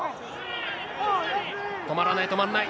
止まらない、止まらない。